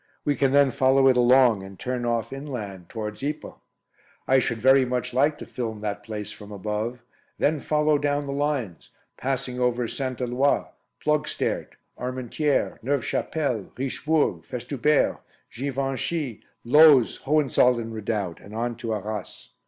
We can then follow it along and turn off inland towards Ypres. I should very much like to film that place from above, then follow down the lines, passing over St. Eloi, Ploegsteert, Armentières, Neuve Chapelle, Richebourg, Festubert, Givenchy, Loos, Hohenzollern Redoubt, and on to Arras.